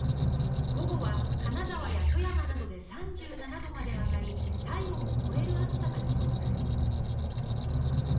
午後は、金沢や富山などで３７度まで上がり体温を超える暑さが予想されています。